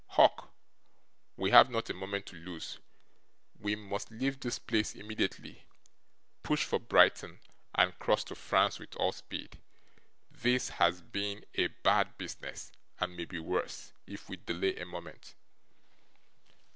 Hawk, we have not a moment to lose. We must leave this place immediately, push for Brighton, and cross to France with all speed. This has been a bad business, and may be worse, if we delay a moment.